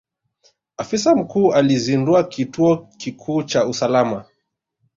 Afisa mkuu alizundua kituo kikuu cha usalama.